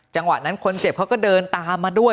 จังหวะนั้นคนเจ็บเขาก็เดินตามมาด้วย